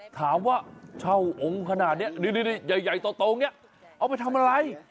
ถามว่าเช่าองค์ขนาดนี้นี่ใหญ่โตอย่างนี้เอาไปทำอะไร